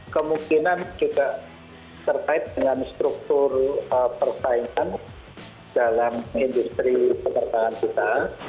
kemungkinan juga terkait dengan struktur persaingan dalam industri penerbangan kita